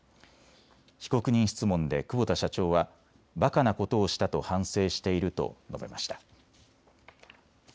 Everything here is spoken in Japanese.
被告人質問で久保田社長はばかなことをしたと反省していると述べました。